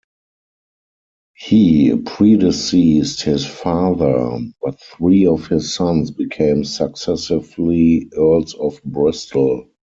He predeceased his father, but three of his sons became successively Earls of Bristol.